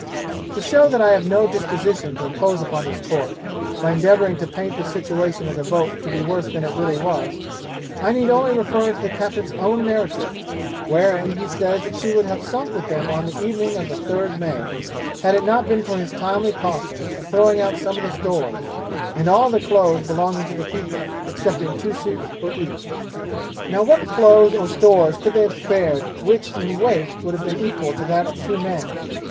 'To show that I have no disposition to impose upon this Court, by endeavouring to paint the situation of the boat to be worse than it really was, I need only refer to the captain's own narrative, wherein he says that she would have sunk with them on the evening of the 3rd May, had it not been for his timely caution of throwing out some of the stores, and all the clothes belonging to the people, excepting two suits for each. 'Now what clothes or stores could they have spared which in weight would have been equal to that of two men?